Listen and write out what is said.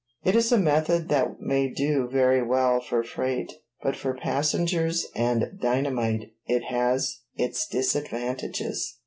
It is a method that may do very well for freight, but for passengers and dynamite it has its disadvantages.